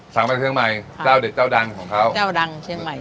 สั่งมาจากเชียงใหม่เจ้าเด็ดเจ้าดังของเขาเจ้าดังเชียงใหม่